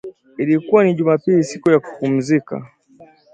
Ilikua ni jumapili siku ya kupumzika